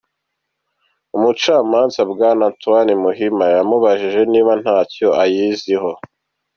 Umucamanza bwana Antoine Muhima yamubajije niba ntacyo ayaziho.